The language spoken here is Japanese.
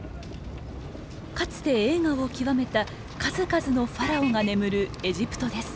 かつて栄華を極めた数々のファラオが眠るエジプトです。